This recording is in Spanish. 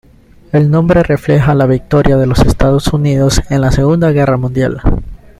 El nombre refleja la victoria de los Estados Unidos en la Segunda Guerra Mundial.